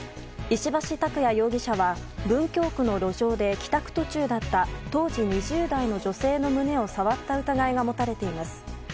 石橋拓也容疑者は文京区の路上で帰宅途中だった当時２０代の女性の胸を触った疑いが持たれています。